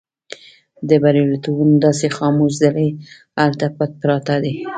د برياليتوبونو داسې خاموش زړي هلته پټ پراته دي.